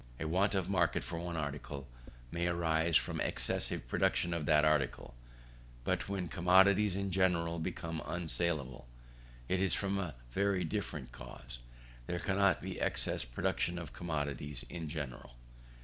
A want of market for one article may arise from excessive production of that article; but when commodities in general become unsaleable, it is from a very different cause; there cannot be excessive production of commodities in general.